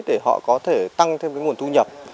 để họ có thể tăng thêm cái nguồn thu nhập